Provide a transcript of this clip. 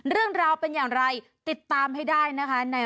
เรื่องราวเป็นอย่างไรติดตามให้ได้นะคะ